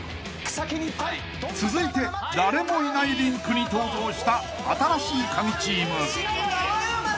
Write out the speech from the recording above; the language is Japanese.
［続いて誰もいないリンクに登場した新しいカギチーム］